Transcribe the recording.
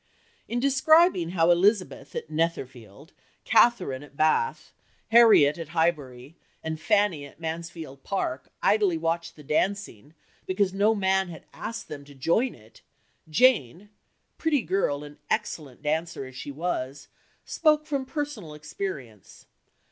In describing how Elizabeth at Netherfield, Catherine at Bath, Harriet at Highbury, and Fanny at Mansfield Park idly watched the dancing because no man had asked them to join it, Jane, pretty girl and excellent dancer as she was, spoke from personal experience.